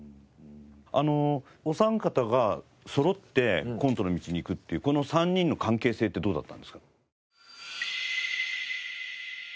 あのお三方がそろってコントの道に行くっていうこの３人の関係性ってどうだったんですか？